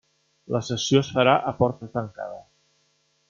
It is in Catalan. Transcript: La sessió es farà a porta tancada.